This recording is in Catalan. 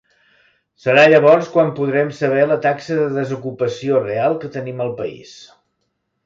Serà llavors quan podrem saber la taxa de desocupació real que tenim al país.